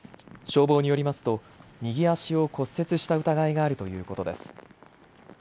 消防によりますと右足を骨折した疑いがあるということです。